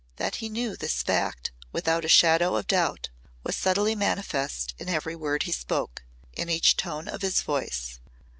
That he knew this fact without a shadow of doubt was subtly manifest in every word he spoke, in each tone of his voice.